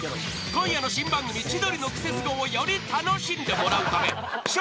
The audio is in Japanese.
［今夜の新番組『千鳥のクセスゴ！』をより楽しんでもらうため笑